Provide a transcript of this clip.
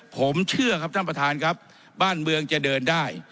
ผมเชื่อครับท่านประธานครับบ้านเมืองจะเดินได้